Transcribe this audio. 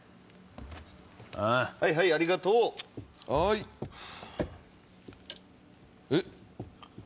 はいはいありがとう。えっ？